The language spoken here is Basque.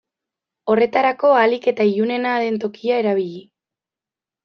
Horretarako ahalik eta ilunena den tokia erabili.